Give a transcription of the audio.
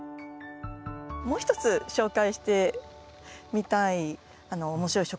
もう一つ紹介してみたい面白い植物があります。